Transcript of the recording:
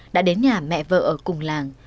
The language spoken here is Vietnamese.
đã đến nhà mẹ vợ ở cùng làng